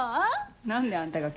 何であんたが謙遜？